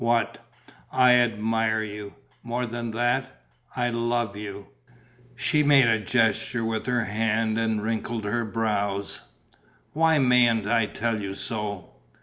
"What?" "I admire you. More than that: I love you." She made a gesture with her hand and wrinkled her brows. "Why mayn't I tell you so?